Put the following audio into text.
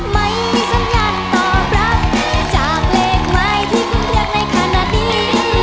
ไม่มีสัญญาณตอบรับจากเลขหมายที่คุณเลือกในขณะนี้